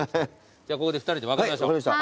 じゃあここで２人で分かれましょう。